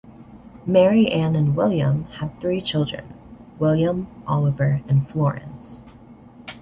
Mary Anne and William had three children: William, Oliver and Florence.